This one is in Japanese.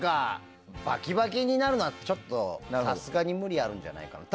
バキバキになるのはちょっとさすがに無理あるんじゃないかなと。